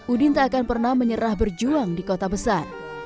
udin tak akan pernah menyerah berjuang di kota besar